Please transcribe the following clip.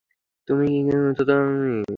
তুমি কি তার সাথে চোদাচুদি করছো?